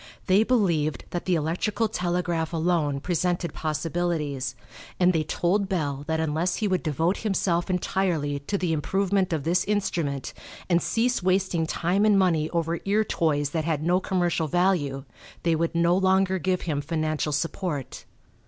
They believed that the electrical telegraph alone presented possibilities, and they told Bell that unless he would devote himself entirely to the improvement of this instrument and cease wasting time and money over ear toys that had no commercial value they would no longer give him financial support.